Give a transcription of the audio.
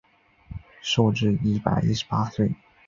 寿至一百一十八岁。